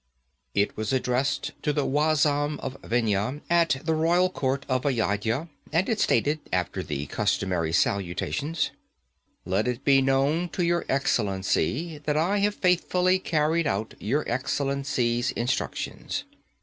It was addressed to the wazam of Vendhya, at the royal court of Ayodhya, and it stated, after the customary salutations: 'Let it be known to your excellency that I have faithfully carried out your excellency's instructions.